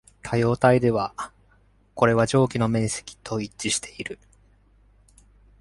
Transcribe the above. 多様体では、これは上記の面積と一致している。